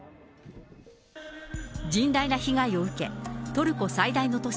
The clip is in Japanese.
甚大な被害を受け、トルコ最大の都市